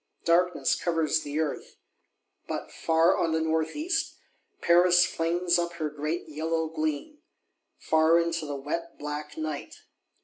Darkness covers the Earth. But, far on the North east, Paris flings up her great yellow gleam; far into the wet black Night.